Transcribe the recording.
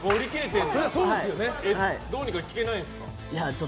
どうにか行けないですか？